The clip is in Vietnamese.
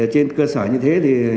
trên cơ sở như thế